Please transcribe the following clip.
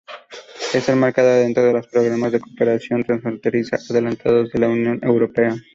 Está enmarcada dentro de los programas de cooperación transfronteriza adelantados de la Unión Europea.